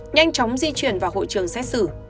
nhanh chóng di chuyển vào hội trường xét xử